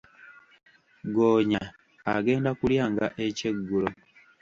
Ggoonya agenda kulya nga ekyeggulo.